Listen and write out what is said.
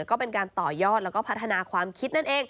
ก็เป็นการต่อยอดแล้วก็พัฒนาความคิดนั่นเอง